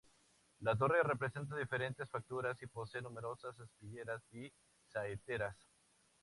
La torre presenta diferentes facturas y posee numerosas aspilleras y saeteras.